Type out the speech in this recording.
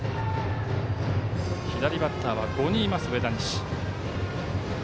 左バッターは５人います上田西。